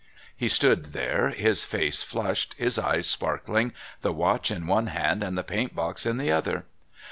He stood there, his face flushed, his eyes sparkling, the watch in one hand and the paint box in the other.